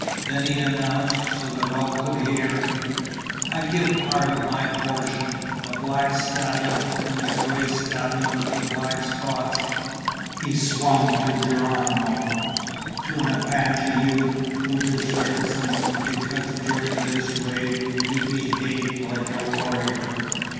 Then he announced, so that all could hear: "I give part of my portion, the black stallion and the gray stallion with black spots," he swung to Geronimo, "to an Apache youth who deserves them because during this raid he behaved like a warrior."